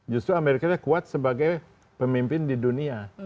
justru amerika kuat sebagai pemimpin di dunia